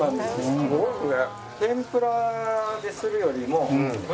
すごいですね。